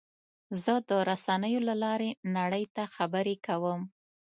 زه د رسنیو له لارې نړۍ ته خبرې کوم.